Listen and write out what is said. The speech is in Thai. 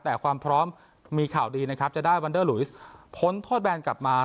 แต่ความพร้อมมีข่าวดีนะครับจะได้วันเดอร์ลุยสพ้นโทษแบนกลับมา